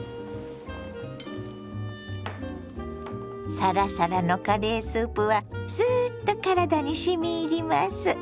サラサラのカレースープはすっと体にしみ入ります。